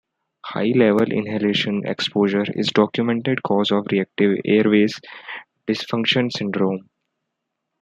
High-level inhalational exposure is a documented cause of reactive airways dysfunction syndrome.